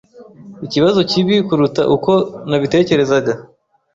Ikibazo kibi kuruta uko nabitekerezaga.